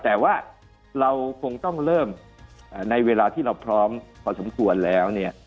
แต่ว่าเราคงต้องเริ่มในเวลาที่เราพร้อมพอสมควรแล้วเนี่ย